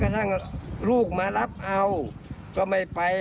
ทั้งลูกมารับเอาก็ไม่ไป